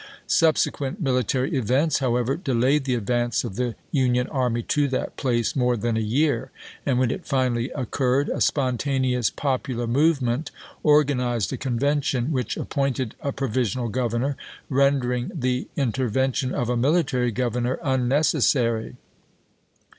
Subsequent military events, however, delayed the advance of the Union army to that place more than a year, and when it finally occurred, a spontaneous popular movement organized a Convention which appointed a provisional governor, rendering the intervention of a military governor unnecessary.